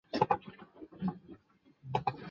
此栏列出的是已停播节目。